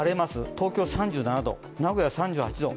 東京３７度、名古屋３８度。